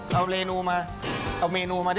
เอาเรนูมาเอาเมนูมา